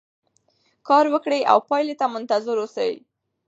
کار وکړئ او پایلې ته منتظر اوسئ.